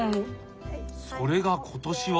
それが今年は！